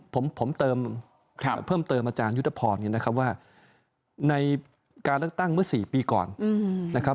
ผมเติมเพิ่มเติมอาจารยุทธพรเนี่ยนะครับว่าในการเลือกตั้งเมื่อ๔ปีก่อนนะครับ